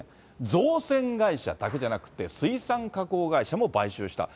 造船会社だけじゃなくて、水産加工会社も買収した。